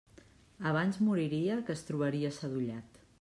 Abans moriria que es trobaria sadollat.